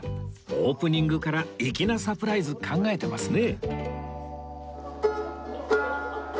オープニングから粋なサプライズ考えてますね